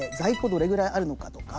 どれぐらいあるのかとか